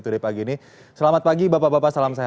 hari ini selamat pagi bapak bapak salam sehat